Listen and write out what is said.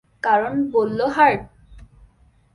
কারণ বলল হার্ট।